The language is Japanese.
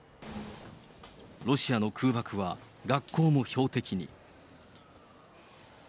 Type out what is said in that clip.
ロシアの空爆は学校も標的に。